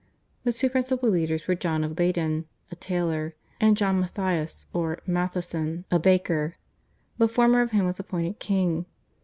The two principal leaders were John of Leyden (a tailor) and John Matthyas or Matthieson (a baker), the former of whom was appointed king.